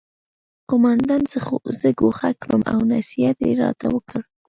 قومندان زه ګوښه کړم او نصیحت یې راته وکړ